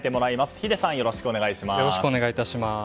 秀さん、よろしくお願いします。